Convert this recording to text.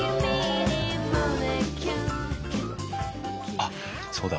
あっそうだ。